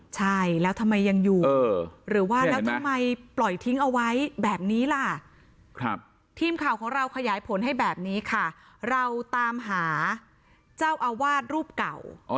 ใช่แล้วทำไมยังอยู่หรือว่าแล้วทำไมปล่อยทิ้งเอาไว้แบบนี้ล่ะทีมข่าวของเราขยายผลให้แบบนี้ค่ะเราตามหาเจ้าอาวาสรูปเก่า